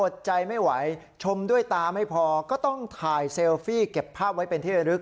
ใจไม่ไหวชมด้วยตาไม่พอก็ต้องถ่ายเซลฟี่เก็บภาพไว้เป็นที่ระลึก